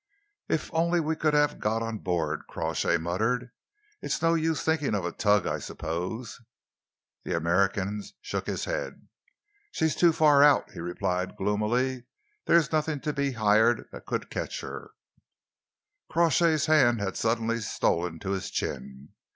"If only we could have got on board!" Crawshay muttered. "It's no use thinking of a tug, I suppose?" The American shook his head. "She's too far out," he replied gloomily. "There's nothing to be hired that could catch her." Crawshay's hand had suddenly stolen to his chin.